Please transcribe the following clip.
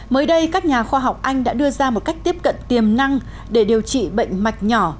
mới đây các nhà khoa học anh đã đưa ra một cách tiếp cận tiềm năng để điều trị bệnh mạch nhỏ